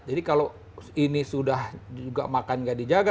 jadi kalau ini sudah juga makan gak dijaga